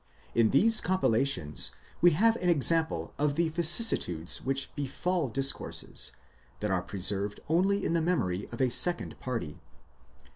In these compilations we have an example of the vicissitudes which befal discourses, that are preserved only in the memory of a second party.